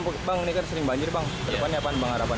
bang ini kan sering banjir bang ke depannya apa bang harapan